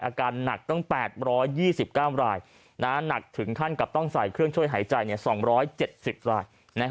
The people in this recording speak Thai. อาการหนักตั้ง๘๒๙รายหนักถึงขั้นกับต้องใส่เครื่องช่วยหายใจ๒๗๐ราย